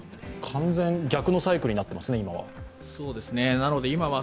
完全に逆のサイクルになっていますね、今は。